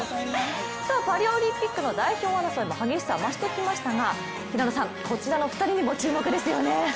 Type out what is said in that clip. パリオリンピックの代表争いも激しさを増してきましたが平野さん、こちらの２人にも注目ですよね？